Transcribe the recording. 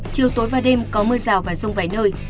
chiều tối và đêm có mưa rào và rông vài nơi